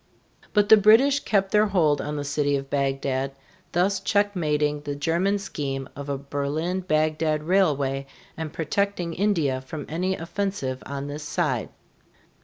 But the British kept their hold on the city of Bagdad, thus checkmating the German scheme of a Berlin Bagdad railway and protecting India from any offensive on this side.